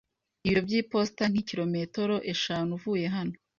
Ibiro by'iposita ni kilometero eshanu uvuye hano.